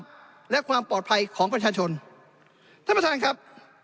และความปลอดภัยของประชาชนท่านประธานครับ